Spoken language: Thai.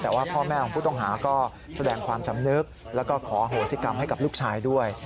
แต่ว่าพ่อแม่ของผู้ต้องหาก็แสดงความสำนึกแล้วก็ขอโหสิกรรมให้กับลูกชายด้วย